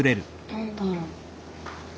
何だろう。